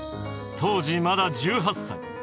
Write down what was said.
当時まだ１８歳。